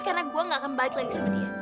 karena gue gak akan balik lagi sama dia